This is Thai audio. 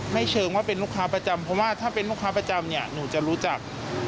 เชิงว่าเป็นลูกค้าประจำเพราะว่าถ้าเป็นลูกค้าประจำเนี่ยหนูจะรู้จัก